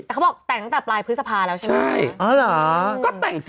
แต่เขาบอกแต่งตั้งแต่ปลายพฤษภาแล้วใช่ไหม